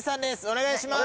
お願いします。